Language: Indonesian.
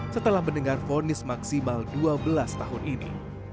setelah mendengar vonis maksimal dua belas tahun ini